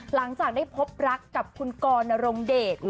หลังจากได้พบรักกับคุณกรนรงเดช